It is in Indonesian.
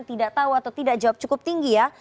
tidak tahu atau tidak jawab cukup tinggi ya